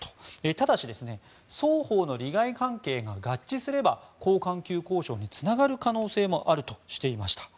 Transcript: ただし、双方の利害関係が合致すれば高官級交渉につながる可能性もあるとしていました。